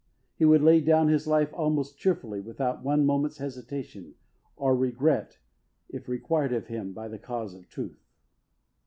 He would lay down his life most cheerfully, without one moment's hesitation, or regret, if required of him by the cause of truth.